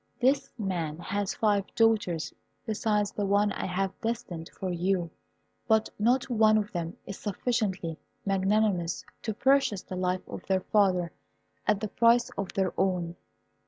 This man has five daughters besides the one I have destined for you; but not one of them is sufficiently magnanimous to purchase the life of their father at the price of their own.